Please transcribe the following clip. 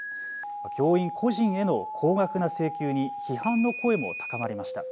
教員個人への高額な請求に批判の声も高まりました。